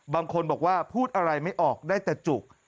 บางคนบอกว่าพูดอะไรไม่ออกได้แต่จุก